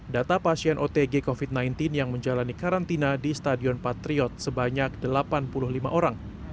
data pasien otg covid sembilan belas yang menjalani karantina di stadion patriot sebanyak delapan puluh lima orang